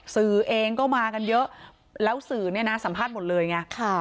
สื่อเองก็มากันเยอะแล้วสื่อเนี่ยนะสัมภาษณ์หมดเลยไง